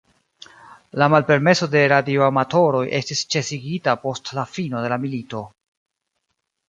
La malpermeso de radioamatoroj estis ĉesigita post la fino de la milito.